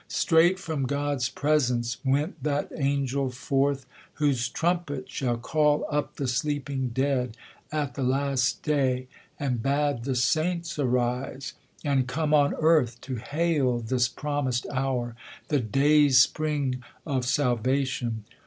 Straight from God's presence went that angel forth, Whose trumpet shall call up the sleeping dead * At the last day, and bade the saints arise | And come on earth to hail this promis'd hour, The day spring of salvation.